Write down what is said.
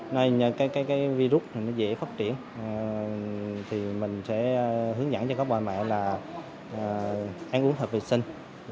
nên cái virus này nó dễ phát triển thì mình sẽ hướng dẫn cho các bà mẹ là ăn uống hợp vệ sinh